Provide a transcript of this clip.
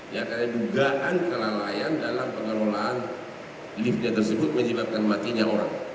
ya karena dugaan kelalaian dalam pengelolaan liftnya tersebut menyebabkan matinya orang